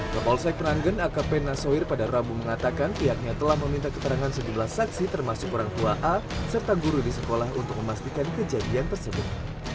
kapolsek meranggen akp nasoir pada rabu mengatakan pihaknya telah meminta keterangan sejumlah saksi termasuk orang tua a serta guru di sekolah untuk memastikan kejadian tersebut